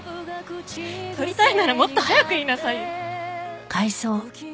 撮りたいならもっと早く言いなさいよ。